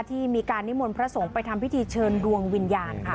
ที่มีการนิมนต์พระสงฆ์ไปทำพิธีเชิญดวงวิญญาณค่ะ